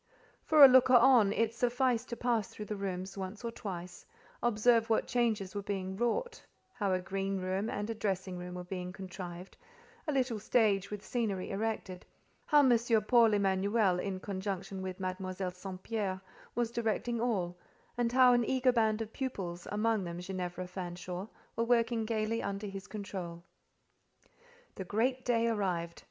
For a looker on, it sufficed to pass through the rooms once or twice, observe what changes were being wrought, how a green room and a dressing room were being contrived, a little stage with scenery erected, how M. Paul Emanuel, in conjunction with Mademoiselle St. Pierre, was directing all, and how an eager band of pupils, amongst them Ginevra Fanshawe, were working gaily under his control. The great day arrived.